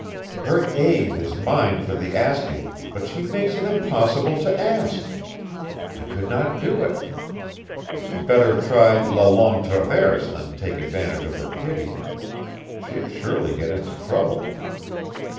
"Her aid is mine for the asking but she makes it impossible to ask! I could not do it. Better try la Longue Traverse than take advantage of her pity she'd surely get into trouble.